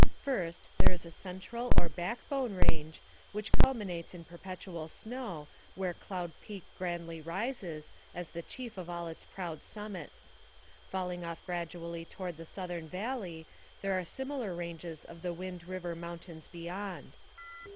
First, there is a central or back bone range, which culminates in perpetual snow, where Cloud Peak grandly rises, as the chief of all its proud summits. Falling off gradually toward the southern valley, there are similar ranges of the Wind River Mountains beyond.